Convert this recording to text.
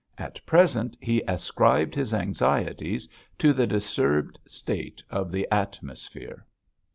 At present he ascribed his anxieties to the disturbed state of the atmosphere.